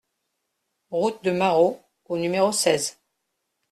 Route de Marrault au numéro seize